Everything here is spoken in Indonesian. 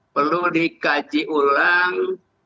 perlu dikaji ulang